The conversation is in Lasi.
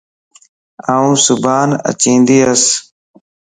آن صبان اچيندياس